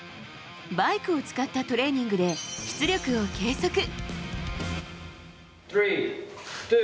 バイクを使ったトレーニングで、出力を計測。